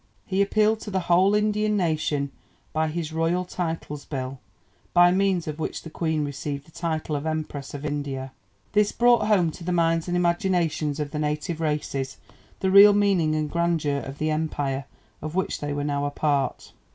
He appealed to the whole Indian nation by his 'Royal Titles Bill,' by means of which the Queen received the title of Empress of India. This brought home to the minds and imaginations of the native races the real meaning and grandeur of the Empire of which they were now a part.